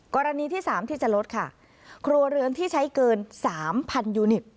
กรณีที่สามที่จะลดค่ะครัวเรือนที่ใช้เกิน๓๐๐ยูนิต